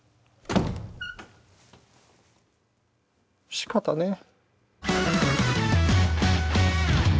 しかたねえ。